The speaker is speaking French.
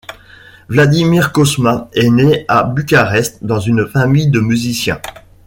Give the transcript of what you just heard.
Vladimir Cosma est né à Bucarest dans une famille de musiciens.